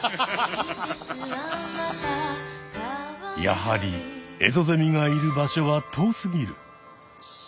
やはりエゾゼミがいる場所は遠すぎる。